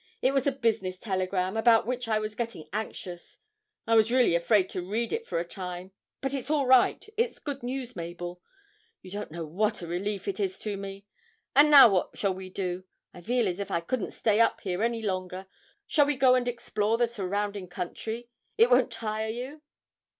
'It was a business telegram, about which I was getting anxious. I was really afraid to read it for a time; but it's all right, it's good news, Mabel. You don't know what a relief it is to me! And now what shall we do? I feel as if I couldn't stay up here any longer. Shall we go and explore the surrounding country? It won't tire you?'